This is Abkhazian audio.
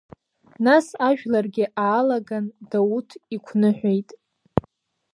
Нас ажәларгьы аалаган Дауҭ иқәныҳәеит.